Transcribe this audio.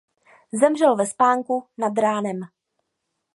Zemřel ve spánku nad ránem.